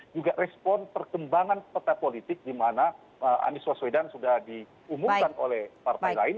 juga respon perkembangan peta politik di mana anies waswedan sudah diumumkan oleh partai lain